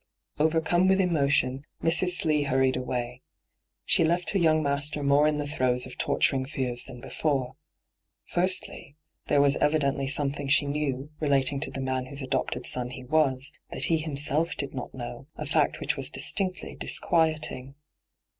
Overcome with emotion, Mrs. Slee hurried away. She left her young master more in the throes of torturing fears than before. Firstly, there was evidently something she knew, relating to the man whose adopted son he was, that he himself did not know, a fact which was distinctly disquieting.